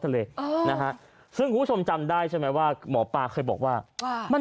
เออนะฮะซึ่งคุณผู้ชมจำได้ใช่ไหมว่าหมอปลาเคยบอกว่ามัน